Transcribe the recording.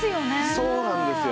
そうなんですよ。